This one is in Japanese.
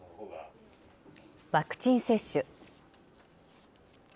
ワクチン接種。